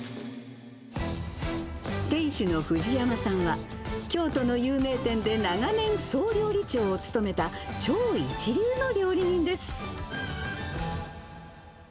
店主の藤山さんは京都の有名店で長年、総料理長を務めた超一流の料理人です。